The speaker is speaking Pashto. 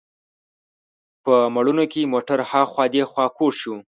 په موړونو کې موټر هاخوا دیخوا کوږ شو.